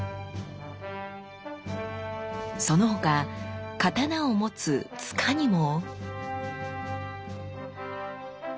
その他刀を持つ柄にも。